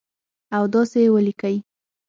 او داسي یې ولیکئ